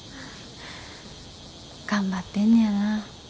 頑張ってんねやな。